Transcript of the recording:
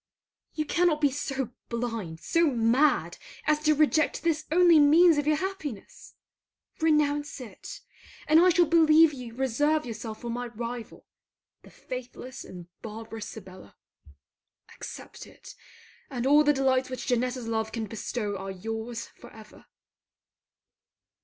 You cannot be so blind, so mad as to reject this only means of your happiness. Renounce it, and I shall believe you reserve yourself for my rival, the faithless and barbarous Sibella. Accept it, and all the delights which Janetta's love can bestow are your's for ever.